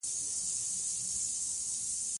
پښتو ګرامر باید زده شي.